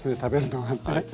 はい。